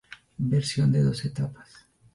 Versión de dos etapas.